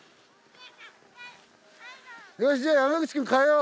よしじゃあ山口くん変えよう。